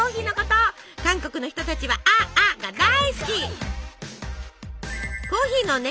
韓国の人たちはア．アが大好き！